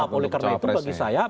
follow up oleh karena itu bagi saya